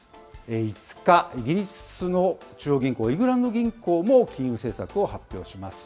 ５日、イギリスの中央銀行、イングランド銀行も金融政策を発表します。